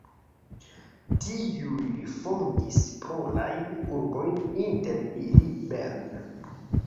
Tiuj fondis plurajn urbojn, inter ili Bern.